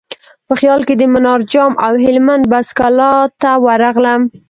په خیال کې د منار جام او هلمند بست کلا ته ورغلم.